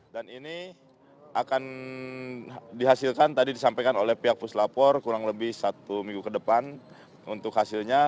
dan ini akan dihasilkan tadi disampaikan oleh pihak puslap empat kurang lebih satu minggu ke depan untuk hasilnya